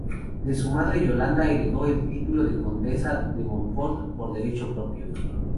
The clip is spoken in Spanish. De su madre Yolanda heredó el título de condesa de Montfort por derecho propio.